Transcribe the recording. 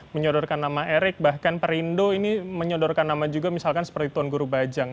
menyodorkan nama erick bahkan perindo ini menyodorkan nama juga misalkan seperti tuan guru bajang